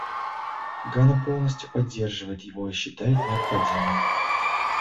Гана полностью поддерживает его и считает необходимым.